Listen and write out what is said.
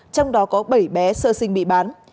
trong đó có bảy bé sơ sinh bị bán